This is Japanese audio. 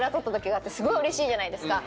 すごいうれしいじゃないですか。